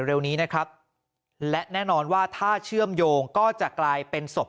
เร็วนี้นะครับและแน่นอนว่าถ้าเชื่อมโยงก็จะกลายเป็นศพ